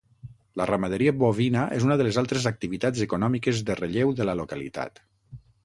La ramaderia bovina és una de les altres activitats econòmiques de relleu de la localitat.